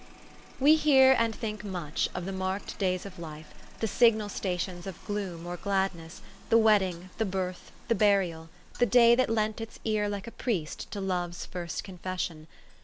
We hear and think much of the marked days of 278 THE STORY OF AVIS. life, the signal stations of gloom or gladness, the wedding, the birth, the burial, the da}' that lent its ear like a priest to love's first confession.